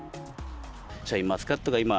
シャインマスカットが今、